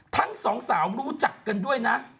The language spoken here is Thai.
ทั้งสองสาวรู้จักกันด้วยนะ